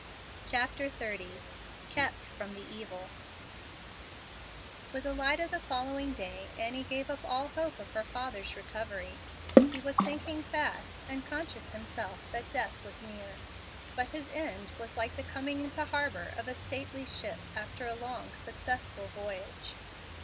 CHAPTER XXX KEPT FROM THE EVIL With the light of the following day Annie gave up all hope of her father's recovery. He was sinking fast, and conscious himself that death was near. But his end was like the coming into harbor of a stately ship after a long, successful voyage.